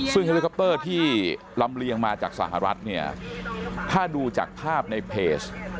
ซึ่งเฮลิคอปเตอร์ที่ลำเลียงมาจากสหรัฐเนี่ยถ้าดูจากภาพในเพจ